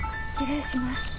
失礼します。